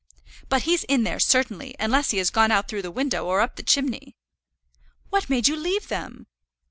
"But he's in there certainly, unless he has gone out through the window, or up the chimney." "What made you leave them?"